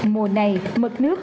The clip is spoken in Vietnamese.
mùa này mực nước